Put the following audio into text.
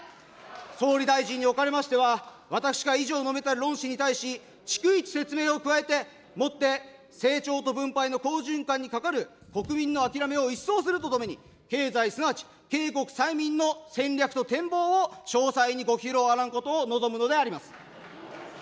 総理大臣におかれましては、私が以上述べた論旨に対し、逐一説明を加えて、もって成長と分配の好循環にかかる国民の諦めを一掃するとともに、経済すなわち、けいこくとさいにんの戦略と展望を詳細にご披露あらんことを、望むのであります。